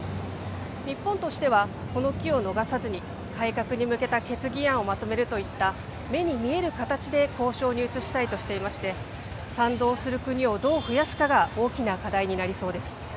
日本としては、この機を逃さずに、改革に向けた決議案をまとめるといった、目に見える形で交渉に移したいとしていまして、賛同する国をどう増やすかが大きな課題になりそうです。